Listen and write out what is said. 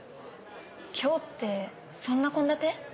今日ってそんな献立？